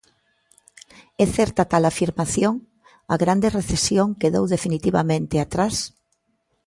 E certa tal afirmación?, a grande recesión quedou definitivamente atrás?